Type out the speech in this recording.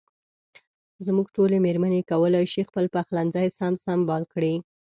زموږ ټولې مېرمنې کولای شي خپل پخلنځي سم سنبال کړي.